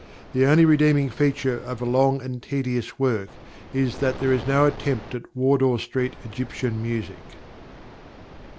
The only redeeming feature of a long and tedious work is that there is no attempt at Wardour Street Egyptian music.